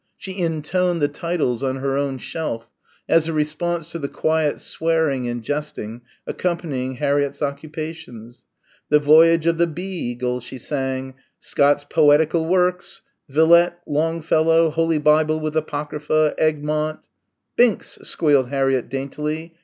She intoned the titles on her own shelf as a response to the quiet swearing and jesting accompanying Harriett's occupations. "The Voyage of the Beeeeeeagle," she sang "Scott's Poetical Works." Villette Longfellow Holy Bible with Apocrypha Egmont "Binks!" squealed Harriett daintily.